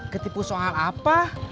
ketipu soal apa